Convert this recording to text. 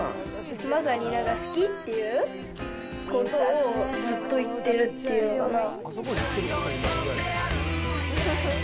まさに好きっていうことをずっと言ってるっていうのがまあ。